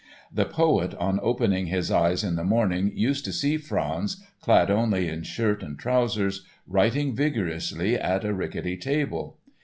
The poet on opening his eyes in the morning used to see Franz, clad only in shirt and trousers, writing vigorously at a rickety table.